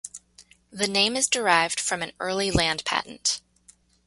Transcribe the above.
The name is derived from an early land patent.